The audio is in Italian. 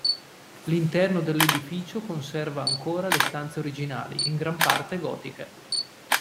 L'interno dell'edificio conserva ancora le stanze originali, in gran parte gotiche.